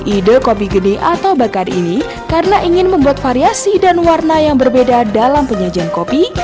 ide kopi gede atau bakar ini karena ingin membuat variasi dan warna yang berbeda dalam penyajian kopi